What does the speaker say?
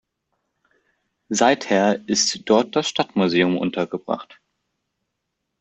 Seither ist dort das Stadtmuseum untergebracht.